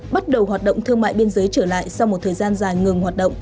bắt đầu hoạt động thương mại biên giới trở lại sau một thời gian dài ngừng hoạt động